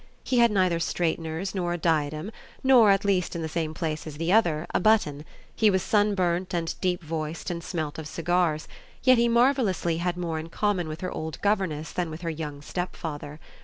He had neither straighteners nor a diadem, nor, at least in the same place as the other, a button; he was sun burnt and deep voiced and smelt of cigars, yet he marvellously had more in common with her old governess than with her young stepfather.